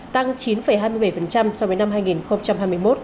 tăng chín hai mươi bảy so với năm hai nghìn hai mươi một